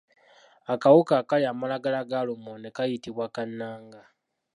Akawuka akalya amalagala ga lumonde kayitibwa kannanga.